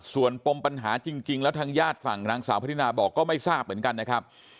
ส่วนปมปัญหาจริงแล้วทางญาติฝั่งนางสาวพัฒนาบอกก็ไม่ทราบเหมือนกันนะครับ